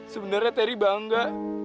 sebenarnya teri bangga